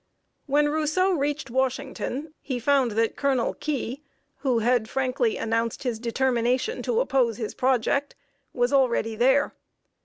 When Rousseau reached Washington, he found that Colonel Key, who had frankly announced his determination to oppose his project, was already there.